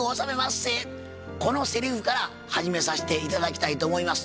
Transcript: このセリフから始めさせて頂きたいと思います。